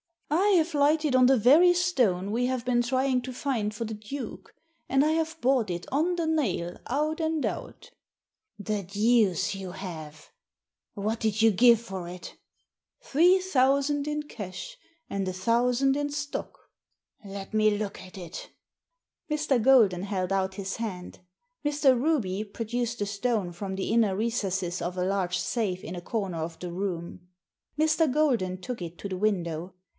" I have lighted on the very stone we have been trying to find for the Duke, and I have bought it on the nail out and out" " The deuce you have ! What did you give for it ?"" Three thousand in cash and a thousand in stock." *' Let me look at it" Mr. Grolden held out his hand. Mr. Ruby pro duced the stone from the inner recesses of a large safe in a comer of the room. Mr. Golden took it to the window.